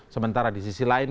sementara di sisi lain